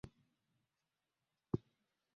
aaa na utekelezaji ni jambo lingine wewe kwa